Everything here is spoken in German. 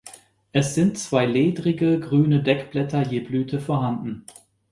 Es sind zwei ledrige, grüne Deckblätter je Blüte vorhanden.